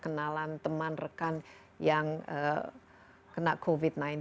kenalan teman rekan yang kena covid sembilan belas